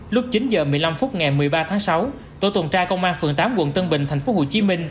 lúc chín h một mươi năm phút ngày một mươi ba tháng sáu tổ tuần tra công an phường tám quận tân bình tp hcm